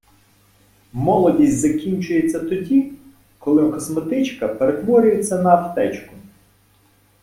Молодість закінчується тоді, коли косметичка перетворюється на аптечку.